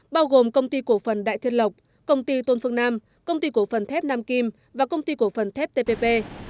bao gồm công ty cổ phần đại thiên lộc công ty tôn phương nam công ty cổ phần thép nam kim và công ty cổ phần thép tpp